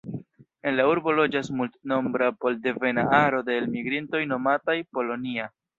En la urbo loĝas multnombra pol-devena aro de elmigrintoj nomataj: „Polonia”.